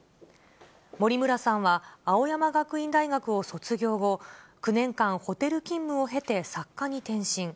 森村さんは青山学院大学を卒業後、９年間、ホテル勤務を経て作家に転身。